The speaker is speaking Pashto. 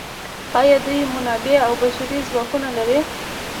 آیا دوی منابع او بشري ځواک نلري؟